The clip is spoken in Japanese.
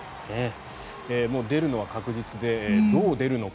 もう出るのは確実でどう出るのか。